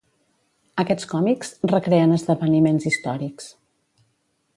Aquests còmics recreen esdeveniments històrics.